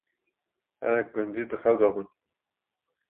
hinek gundî di xew de bûn